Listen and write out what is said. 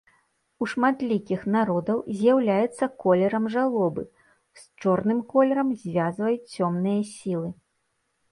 У шматлікіх народаў з'яўляецца колерам жалобы, з чорным колерам звязваюць цёмныя сілы.